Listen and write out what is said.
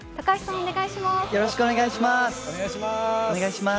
お願いします。